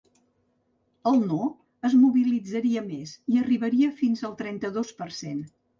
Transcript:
El no es mobilitzaria més i arribaria fins al trenta-dos per cent.